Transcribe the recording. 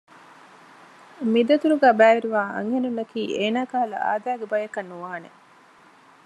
މި ދަތުރުގައި ބައިވެރިވާ އަންހެނުންނަކީ އޭނާ ކަހަލަ އާދައިގެ ބަޔަކަށް ނުވާނެ